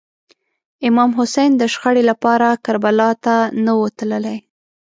امام حسین د شخړې لپاره کربلا ته نه و تللی.